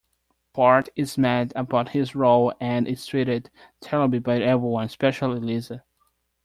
Bart is mad about his role and is treated terribly by everyone, especially Lisa.